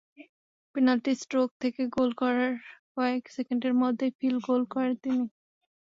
Penalty stroke থেকে goal করার কয়েক সেকেন্ডের মধ্যেই ফিল্ড গোল করেন তিনি।